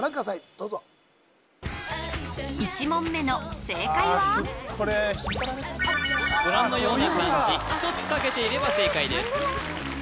どうぞ１問目の正解はご覧のような漢字１つ書けていれば正解です